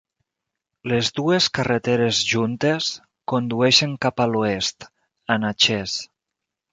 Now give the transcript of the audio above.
Les dues carreteres juntes condueixen cap a l'oest, a Natchez.